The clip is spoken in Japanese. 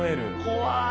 怖い。